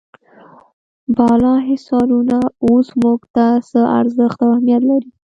بالا حصارونه اوس موږ ته څه ارزښت او اهمیت لري.